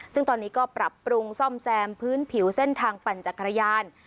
ซึ่งตอนนี้ก็ปรับปรุงซ่อมแซมพื้นผิวเส้นทางปั่นจักรยาน